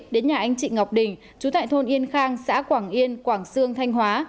đến nhà anh chị ngọc đình chú tại thôn yên khang xã quảng yên quảng sương thanh hóa